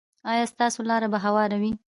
ایا ستاسو لاره به هواره وي؟